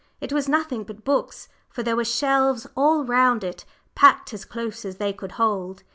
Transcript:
It was nothing but books, for there were shelves all round it, packed as close as they could hold.